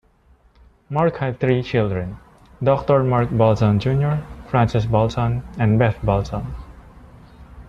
Marc had three children: Doctor Marc Baltzan Jr, Frances Baltzan and Beth Baltzan.